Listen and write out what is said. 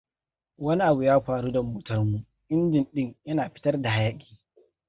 Wani abu ya faru da motarmu; Injin din yana fitar da hayaki.